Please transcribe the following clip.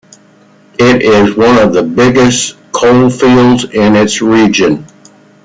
It is one of the biggest coal-fields in its region.